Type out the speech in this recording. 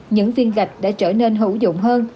những viên gạch đã trở nên hữu dụng hơn